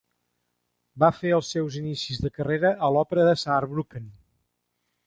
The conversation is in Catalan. Va fer els seus inicis de carrera a l'òpera de Saarbrücken.